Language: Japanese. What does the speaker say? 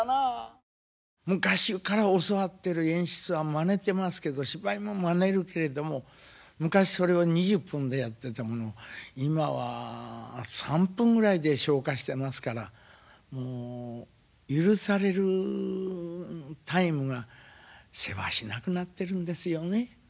昔から教わってる演出はまねてますけど芝居もまねるけれども昔それを２０分でやってたものを今は３分ぐらいで消化してますからもう許されるタイムがせわしなくなってるんですよね。